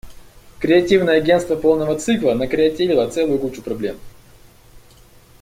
Креативное агенство полного цикла накреативило целую кучу проблем.